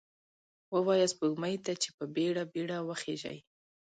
ووایه سپوږمۍ ته، چې په بیړه، بیړه وخیژئ